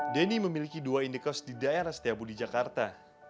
denny memiliki dua indikos di daerah setiabudi jakarta